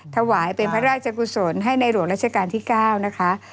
ถวายเป็นพระราชกุศลให้ในหลวงราชการที่๙นะคะ